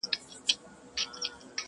• له ډېر غمه یې څښتن سو فریشانه.